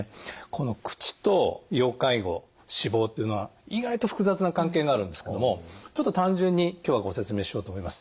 この口と要介護死亡っていうのは意外と複雑な関係があるんですけどもちょっと単純に今日はご説明しようと思います。